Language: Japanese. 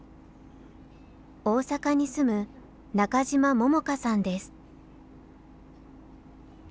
大阪に住む中島桃花さんです。